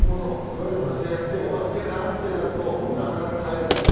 今まで部活やって、終わってからってなると、もうなかなか帰れない。